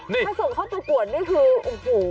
ถ้าส่งเข้าประกวดนี่คือโอ้โห